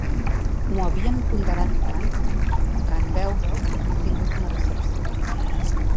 M'ho havien ponderat tant, que, en veure-ho, he tingut una decepció.